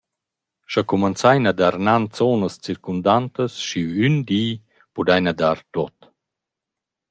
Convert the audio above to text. Scha cumanzain a dar nan zonas circundantas schi ün di pudaina dar tuot.